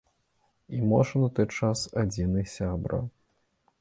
І, можа, на той час адзіны сябра.